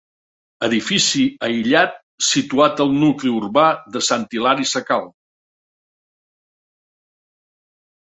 Edifici aïllat, situat al nucli urbà de Sant Hilari Sacalm.